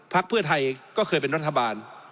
เพื่อไทยก็เคยเป็นรัฐบาล